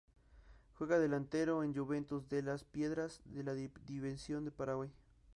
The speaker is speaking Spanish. Juega de delantero en Juventud de Las Piedras de la Primera División de Uruguay.